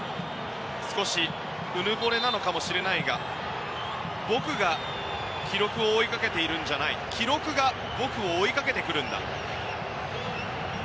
少しうぬぼれなのかもしれないが僕が記録を追いかけているんじゃない記録が僕を追いかけてくるんだ。